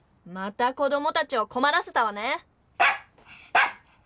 また子どもたちをこまらせたわね！